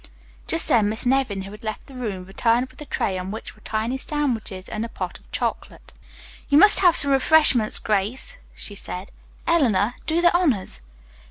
Just then Miss Nevin, who had left the room, returned with a tray on which were tiny sandwiches and a pot of chocolate. "You must have some refreshment, Grace," she said. "Eleanor, do the honors."